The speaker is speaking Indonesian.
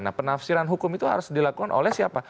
nah penafsiran hukum itu harus dilakukan oleh siapa